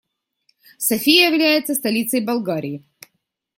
София является столицей Болгарии.